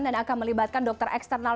dan akan melibatkan dokter eksternal